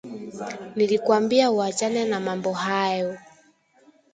Nilikwambia uachane na mambo hayo